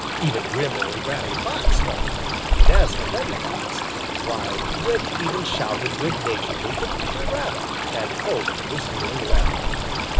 Even grim old Granny Fox felt it, and as for Reddy Fox, why, Reddy even shouted good naturedly to Peter Rabbit and hoped he was feeling well.